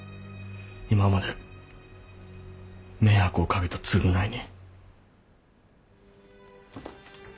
今まで迷惑を掛けた償いに。